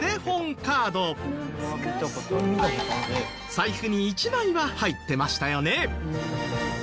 財布に１枚は入ってましたよね。